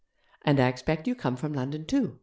'And I expect you come from London too?'